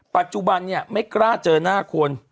ปัจจุบันเนี่ยไม่กล้าเจอหน้าคน